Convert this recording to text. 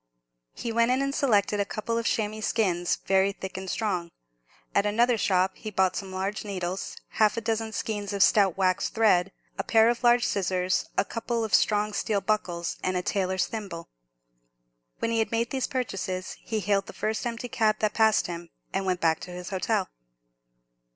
He went in and selected a couple of chamois skins, very thick and strong. At another shop he bought some large needles, half a dozen skeins of stout waxed thread, a pair of large scissors, a couple of strong steel buckles, and a tailor's thimble. When he had made these purchases, he hailed the first empty cab that passed him, and went back to his hotel.